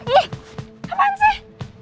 ih apaan sih